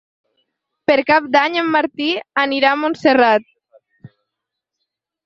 Per Cap d'Any en Martí anirà a Montserrat.